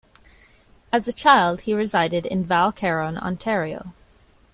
As a child, he resided in Val Caron, Ontario.